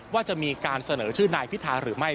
ว่าจะมีการเสนอชื่อนายพิธาหรือไม่